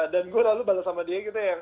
dan gue lalu bantu sama dia gitu ya